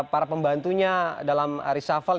para pembantunya dalam reshuffle